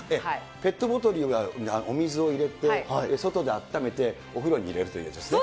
ペットボトルにお水を入れて、外で温めてお風呂に入れるというね。